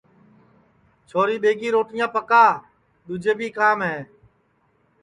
چھوری ٻیگی روٹیاں پکا دؔوجے بی کام ہے